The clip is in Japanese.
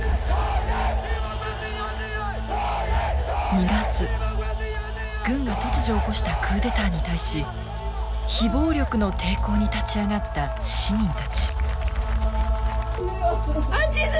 ２月軍が突如起こしたクーデターに対し非暴力の抵抗に立ち上がった市民たち。